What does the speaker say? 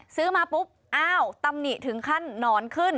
ซื้อมาปุ๊บอ้าวตำหนิถึงขั้นหนอนขึ้น